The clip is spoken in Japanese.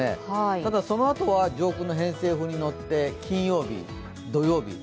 ただそのあとは、上空の偏西風にのって金曜日、土曜日。